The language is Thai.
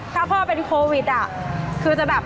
ถ้าพ่อเป็นโควิดอ่ะคือจะแบบ